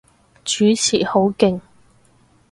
主持好勁